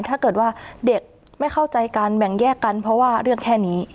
ถ้าเกิดว่าเด็กไม่เข้าใจกันแบ่งแยกกันเพราะว่าเรื่องแค่นี้